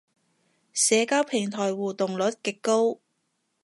社交平台互動率極高